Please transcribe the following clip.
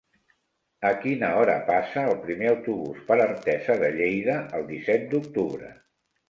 A quina hora passa el primer autobús per Artesa de Lleida el disset d'octubre?